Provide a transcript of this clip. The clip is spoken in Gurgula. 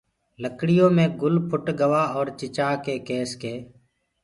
لڪڙيو مي گُل ڦُٽ گوآ اورَ چِچآڪي ڪيس ڪي